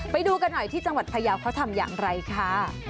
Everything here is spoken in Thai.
ไปดูกันหน่อยที่จังหวัดพยาวเขาทำอย่างไรค่ะ